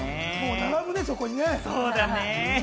並ぶね、そこにね。